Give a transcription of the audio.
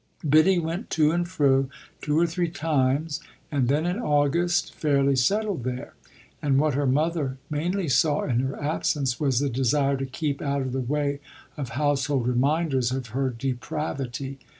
Biddy went to and fro two or three times and then in August fairly settled there; and what her mother mainly saw in her absence was the desire to keep out of the way of household reminders of her depravity.